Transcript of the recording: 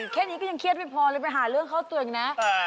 แค่นี้ก็ยังเครียดไม่พอเลยไปหาเรื่องเข้าตัวเองนะ